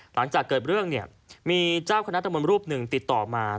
หลังจากเกิดเรื่องเนี่ยมีเจ้าคณะตะมนต์รูปหนึ่งติดต่อมา